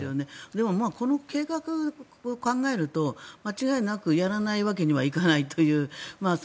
でもこの計画を考えると間違いなくやらないわけにはいかないという。